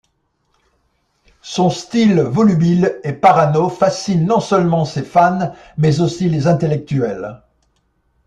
Son style volubile et parano fascine non seulement ses fans mais aussi les intellectuels.